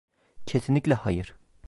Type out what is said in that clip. Kesinlikle hayır.